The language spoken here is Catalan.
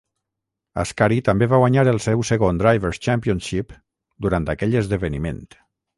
Ascari també va guanyar el seu segon Drivers' Championship durant aquell esdeveniment.